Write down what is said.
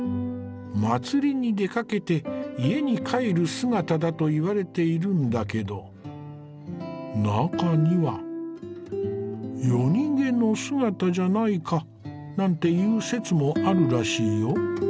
祭りに出かけて家に帰る姿だといわれているんだけど中には夜逃げの姿じゃないかなんていう説もあるらしいよ。